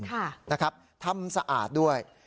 ค่ะนะครับทำสะอาดด้วย